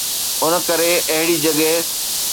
ان ڪري اهڙي جڳهه